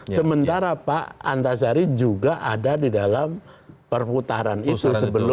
sementara pak antasari juga ada di dalam perputaran itu